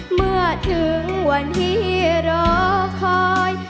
เมื่อถึงวันที่รอคอย